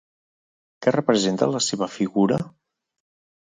Què representa la seva figura?